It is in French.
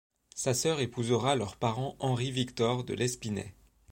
Sa sœur épousera leur parent Henri Victor de L'Espinay.